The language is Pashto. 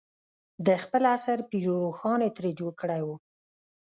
د خپل عصر پير روښان یې ترې جوړ کړی و.